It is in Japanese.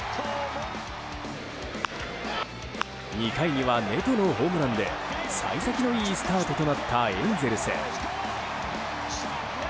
２回には、ネトのホームランで幸先のいいスタートとなったエンゼルス。